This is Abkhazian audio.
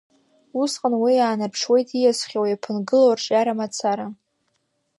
Усҟан уи иаанарԥшуеит ииасхьоу, иаԥынгылоу арҿиара мацара…